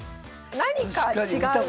何か違う。